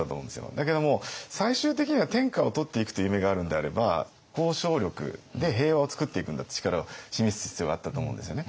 だけども最終的には天下を取っていくという夢があるんであれば交渉力で平和をつくっていくんだって力を示す必要があったと思うんですよね。